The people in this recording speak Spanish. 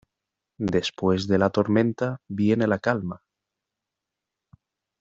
Después de la tormenta viene la calma.